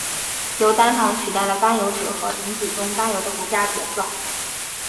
由单糖取代了甘油酯和磷脂中甘油的骨架角色。